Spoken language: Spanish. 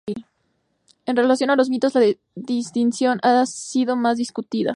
En relación a los "mitos" la distinción ha sido más discutida.